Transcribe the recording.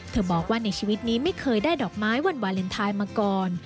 บอกว่าในชีวิตนี้ไม่เคยได้ดอกไม้วันวาเลนไทยมาก่อน